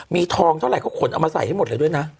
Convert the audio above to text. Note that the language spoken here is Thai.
มีทองเท่าไหร่เขาขนเอามาใส่ให้หมดเลยด้วยนะ